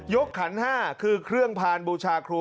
ขัน๕คือเครื่องพานบูชาครู